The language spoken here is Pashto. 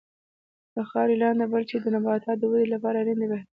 د خاورې لنده بل چې د نباتاتو د ودې لپاره اړین دی بهتره کړي.